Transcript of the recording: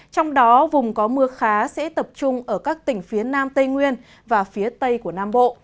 trong đó vùng có mưa khá sẽ tập trung ở các tỉnh phía nam tây nguyên và phía tây của nam bộ